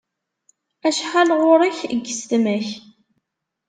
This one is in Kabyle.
Acḥal ɣur-k n yisetma-k?